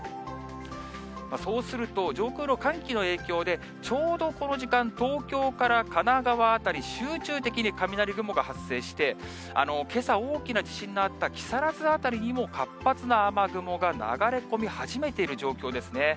そうすると、上空の寒気の影響で、ちょうどこの時間、東京から神奈川辺り、集中的に雷雲が発生して、けさ、大きな地震のあった木更津辺りにも活発な雨雲が流れ込み始めている状況ですね。